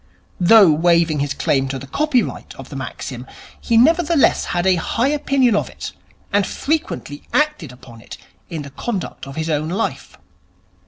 Though waiving his claim to the copyright of the maxim, he nevertheless had a high opinion of it, and frequently acted upon it in the conduct of his own life.